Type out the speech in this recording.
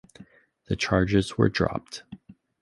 The charges were dropped.